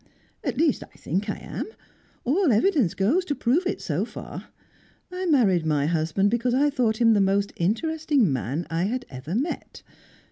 At least, I think I am; all evidence goes to prove it, so far. I married my husband because I thought him the most interesting man I had ever met.